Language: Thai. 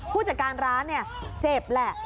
ผู้จัดการร้านเจ็บแหละ